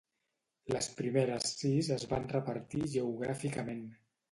Les primeres sis es van repartir geogràficament.